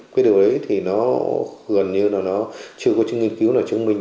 cái điều đấy thì nó gần như là nó chưa có nghiên cứu nào chứng minh